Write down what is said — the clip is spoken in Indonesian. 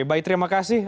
baik terima kasih